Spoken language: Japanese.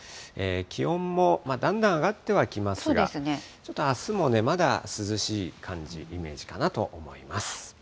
気温もだんだん上がってはきますが、ちょっとあすもね、まだ涼しい感じ、イメージかなと思います。